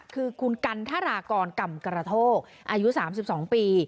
คือคุณกันทรากรกำกระโทกอายุ๓๒ปี